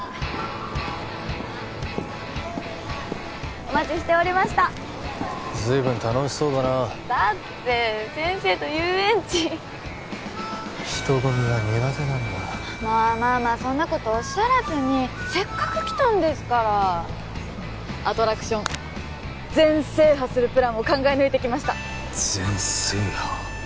お待ちしておりました随分楽しそうだなだって先生と遊園地人混みは苦手なんだまあまあまあそんなことおっしゃらずにせっかく来たんですからアトラクション全制覇するプランを考え抜いてきました全制覇！？